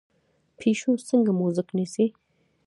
پیشو څنګه موږک نیسي؟